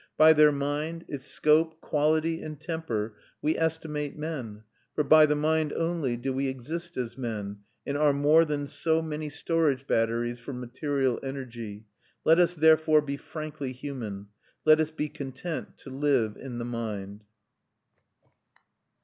By their mind, its scope, quality, and temper, we estimate men, for by the mind only do we exist as men, and are more than so many storage batteries for material energy. Let us therefore be frankly human. Let us be content to live in the mind.